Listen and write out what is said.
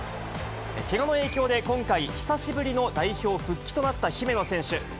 けがの影響で、今回久しぶりの代表復帰となった姫野選手。